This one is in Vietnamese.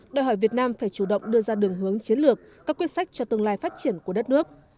đòi hỏi việt nam phải chủ động đưa ra đường hướng chiến lược các quyết sách cho tương lai phát triển của đất nước